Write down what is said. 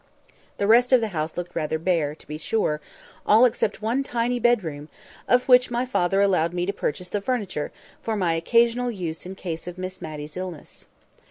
The rest of the house looked rather bare, to be sure; all except one tiny bedroom, of which my father allowed me to purchase the furniture for my occasional use in case of Miss Matty's illness.